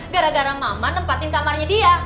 gara gara mama nempatin kamarnya dia